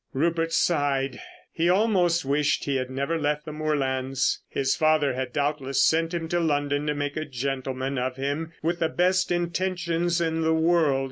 Rupert sighed. He almost wished he had never left the moorlands. His father had doubtless sent him to London to make a gentleman of him with the best intentions in the world.